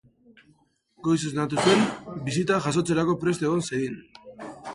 Goiz esnatu zuen, bisita jasotzerako prest egon zedin.